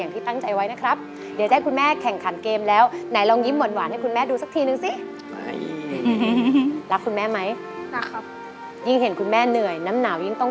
นะช่วยคุณแม่เป็นอีกแรงหนึ่ง